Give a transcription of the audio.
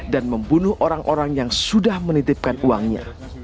dan membunuh orang orang yang sudah menitipkan uangnya